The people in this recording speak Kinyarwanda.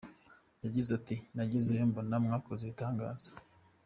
Yagize ati “Nagezeyo, mbona mwakoze ibitangaza.